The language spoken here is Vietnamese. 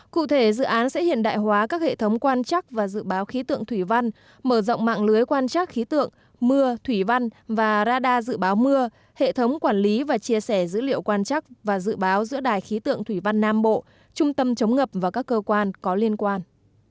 cụ thể dự án sẽ hiện đại hóa các hệ thống quan chắc và dự báo khí tượng thủy văn mở rộng mạng lưới quan trắc khí tượng mưa thủy văn và radar dự báo mưa hệ thống quản lý và chia sẻ dữ liệu quan chắc và dự báo giữa đài khí tượng thủy văn nam bộ trung tâm chống ngập và các cơ quan có liên quan